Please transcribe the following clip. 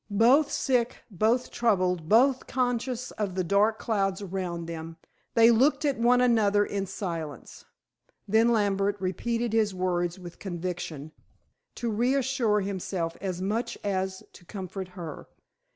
Both sick, both troubled, both conscious of the dark clouds around them, they looked at one another in silence. Then Lambert repeated his words with conviction, to reassure himself as much as to comfort her.